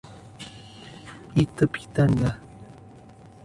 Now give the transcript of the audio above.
Itapitanga